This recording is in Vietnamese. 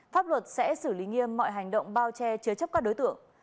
pháp luật sẽ xử lý nghiêm mọi hành động bao che chứa chấp các đối tượng